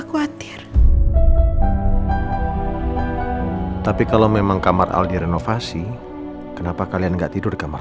khawatir tapi kalau memang kamar aldi renovasi kenapa kalian enggak tidur di kamar